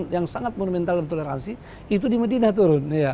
yang sangat monumental toleransi itu di medina turun ya